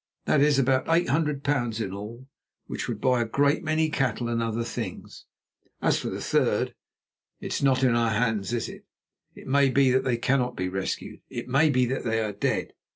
That is about eight hundred pounds in all, which would buy a great many cattle and other things. As for the third, it is not in our hands, is it? It may be that they cannot be rescued, it may be that they are dead.